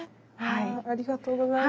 ありがとうございます。